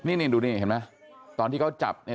นี่ดูนี่เห็นมั้ย